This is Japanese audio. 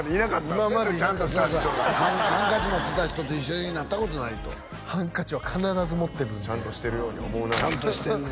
そういうちゃんとした人がハンカチ持ってた人と一緒になったことないとハンカチは必ず持ってるんでちゃんとしてるように思うなあちゃんとしてんね